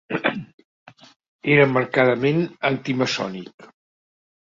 Era marcadament anti-maçònic.